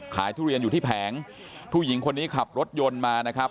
ทุเรียนอยู่ที่แผงผู้หญิงคนนี้ขับรถยนต์มานะครับ